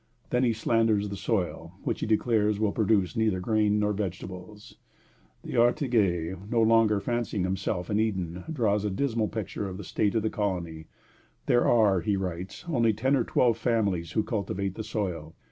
Then he slanders the soil, which, he declares, will produce neither grain nor vegetables. D'Artaguette, no longer fancying himself in Eden, draws a dismal picture of the state of the colony. There are, he writes, only ten or twelve families who cultivate the soil.